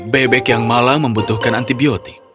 bebek yang malang membutuhkan antibiotik